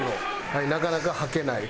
はいなかなかはけない」